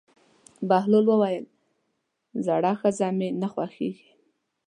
بهلول وویل: زړه ښځه مې نه خوښېږي.